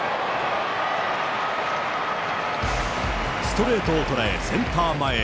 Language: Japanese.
ストレートを捉えセンター前へ。